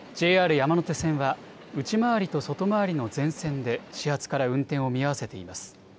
山手線は内回りと外回りの全線で始発から運転を見合わせています。